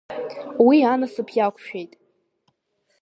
Уи Анасыԥ иақәшәеит.